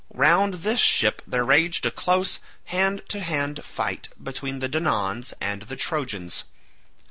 Round this ship there raged a close hand to hand fight between Danaans and Trojans.